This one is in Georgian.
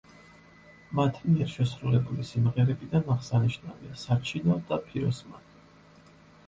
მათ მიერ შესრულებული სიმღერებიდან აღსანიშნავია „საჩინო“ და „ფიროსმანი“.